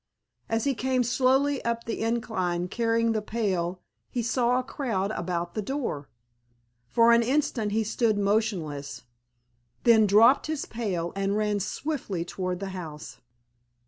As he came slowly up the incline carrying the pail he saw a crowd about the door. For an instant he stood motionless, then dropped his pail and ran swiftly toward the house.